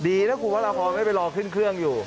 ดีนะคุณพระราพรไม่ไปรอขึ้นเครื่องอยู่